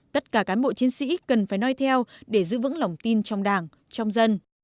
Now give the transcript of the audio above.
tất cả cán bộ chiến sĩ cần phải nói theo để giữ vững lòng tin trong đảng trong dân